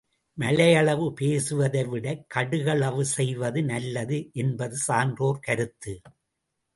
மலையளவு பேசுவதைவிட கடுகளவு செய்வது நல்லது என்பது சான்றோர் கருத்து.